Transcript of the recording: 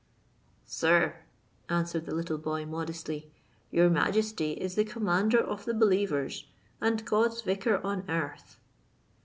"Sir," answered the little boy, modestly, "your majesty is the commander of the believers, and God's vicar on earth."